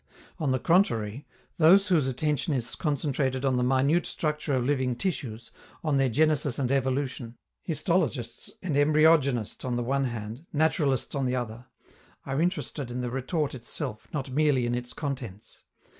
On the contrary, those whose attention is concentrated on the minute structure of living tissues, on their genesis and evolution, histologists and embryogenists on the one hand, naturalists on the other, are interested in the retort itself, not merely in its contents.